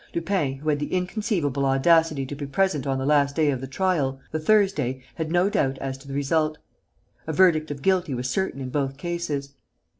Lupin, who had the inconceivable audacity to be present on the last day of the trial, the Thursday, had no doubt as to the result. A verdict of guilty was certain in both cases.